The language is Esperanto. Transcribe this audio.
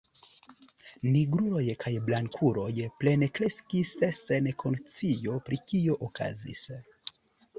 Nigruloj kaj blankuloj plenkreskis sen konscio pri kio okazis.